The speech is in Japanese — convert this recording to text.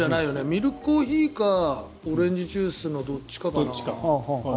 ミルクコーヒーかオレンジジュースのどっちかかな。